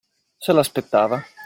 Se l'aspettava.